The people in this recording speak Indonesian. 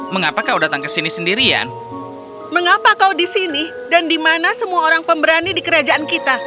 mengapa kau di sini dan di mana semua orang pemberani di kerajaan kita